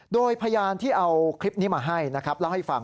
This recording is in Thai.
โดยพยานที่เอาคลิปนี้มาให้นะครับเล่าให้ฟัง